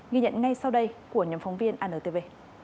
ghi nhận ngay sau đây của nhóm phóng viên antv